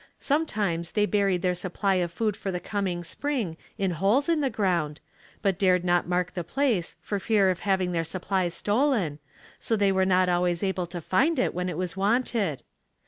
Sometimes they buried their supply of food for the coming spring in holes in the ground, but dared not mark the place for fear of having their supplies stolen, so they were not always able to find it when it was wanted.